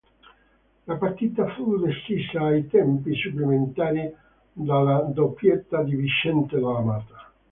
La partita fu decisa ai tempi supplementari dalla doppietta di Vicente de la Mata.